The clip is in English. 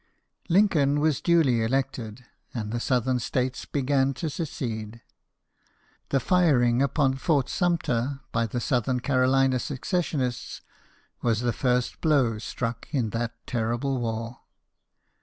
Lincoln was duly elected, and the southern states began to secede. The firing upon Fort Sumter by the South Carolina secessionists was the first blow struck in that terrible war.